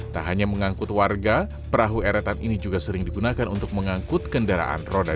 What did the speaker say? tak hanya mengangkut warga perahu eretan ini juga sering digunakan untuk mengangkut kendaraan roda dua